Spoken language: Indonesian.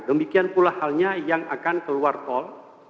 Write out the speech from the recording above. demikian pula halnya yang akan keluar tol